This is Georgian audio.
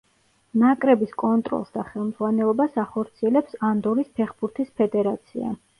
ნაკრების კონტროლს და ხელმძღვანელობას ახორციელებს ანდორის ფეხბურთის ფედერაცია.